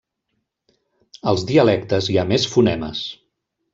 Als dialectes hi ha més fonemes.